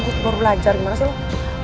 gue baru belajar gimana sih lo